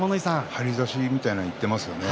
張り差しみたいなものにいっていますね。